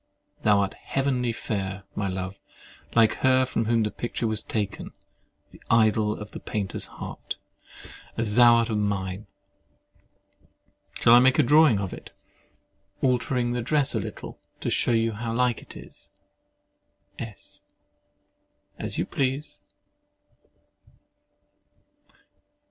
Thou art heavenly fair, my love—like her from whom the picture was taken—the idol of the painter's heart, as thou art of mine! Shall I make a drawing of it, altering the dress a little, to shew you how like it is? S. As you please.